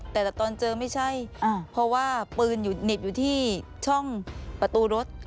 แต่ตอนเจอไม่ใช่เพราะว่าปืนเหน็บอยู่ที่ช่องประตูรถ